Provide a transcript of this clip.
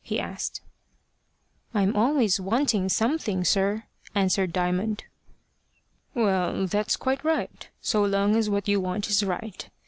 he asked. "I'm always wanting something, sir," answered Diamond. "Well, that's quite right, so long as what you want is right.